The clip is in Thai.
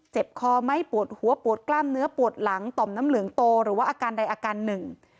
คอไหมปวดหัวปวดกล้ามเนื้อปวดหลังต่อมน้ำเหลืองโตหรือว่าอาการใดอาการหนึ่ง